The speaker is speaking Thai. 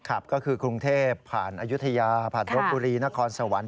ครับก็คือกรุงเทพผ่านอายุทยาผ่านรบบุรีนครสวรรค